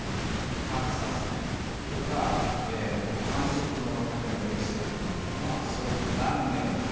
探査船とか観測のための衛星みたいなのはそういうので何年もかけてね。